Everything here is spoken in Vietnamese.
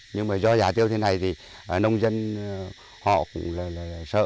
nhưng mà do giá tiêu thế này thì nông dân họ cũng là sợ